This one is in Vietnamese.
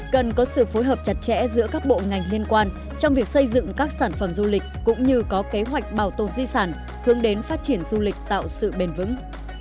cần có sự phối hợp chặt chẽ giữa các bộ ngành liên quan trong việc xây dựng các sản phẩm du lịch cũng như có kế hoạch bảo tồn di sản hướng đến phát triển du lịch tạo sự bền vững